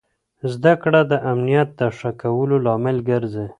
زده کړه د امنیت د ښه کولو لامل ګرځي.